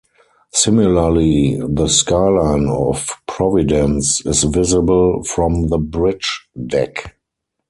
Similarly, the skyline of Providence is visible from the bridge deck.